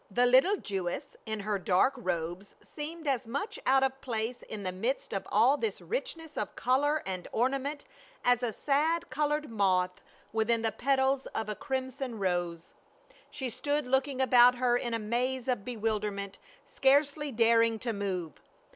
78 PA UL. The little Jewess in her dark robes seemed as much out of place in the midst of all this richness of color and ornament as a sad colored moth within the petals of a crimson rose. She stood looking about her in a maze of bewilderment scarcely daring to move.